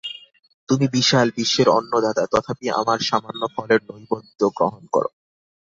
তুমি বিশাল বিশ্বের অন্নদাতা, তথাপি আমার সামান্য ফলের নৈবেদ্য গ্রহণ কর।